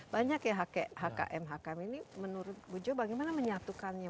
banyak ya hkm hkm ini menurut bu jo bagaimana menyatukannya